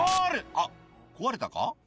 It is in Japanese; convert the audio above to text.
「あっ壊れたか？」